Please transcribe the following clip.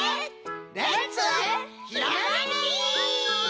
レッツひらめき！